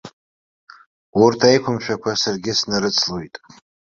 Урҭ аиқәымшәақәа саргьы снарыцлоит.